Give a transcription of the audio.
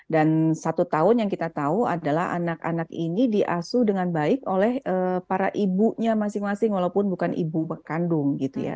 dan satu tahun yang kita tahu adalah anak anak ini diasuh dengan baik oleh para ibunya masing masing walaupun bukan ibu kandung gitu ya